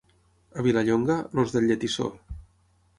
A Vilallonga, els del lletissó.